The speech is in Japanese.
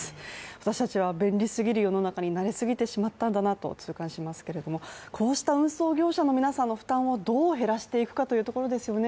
私たちは便利すぎる世の中に慣れすぎてしまったんだと痛感しますけれども、こうした運送業者の皆さんの負担をどう減らしていくかというところですよね